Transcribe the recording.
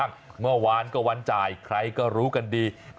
งั้นนั่งอยู่ดี